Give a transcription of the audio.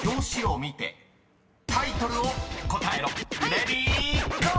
［レディーゴー！］